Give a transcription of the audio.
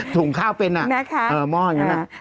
ถุงข้าวเป็นน่ะมอดอยู่น่ะ